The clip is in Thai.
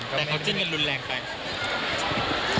แต่เขาจึงจะรุนแรงไป